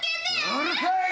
うるさい！